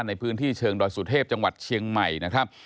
ในพื้นที่เชิงดอยสุเทพจังหวัดเชียงใหม่นะครับ